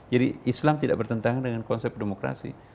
jadi islam tidak bertentangan dengan konsep demokrasi